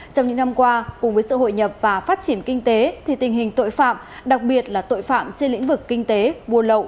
trong những năm qua cùng với sự hội nhập và phát triển kinh tế thì tình hình tội phạm đặc biệt là tội phạm trên lĩnh vực kinh tế buôn lậu